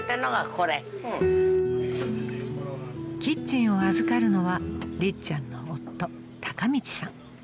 ［キッチンを預かるのはりっちゃんの夫］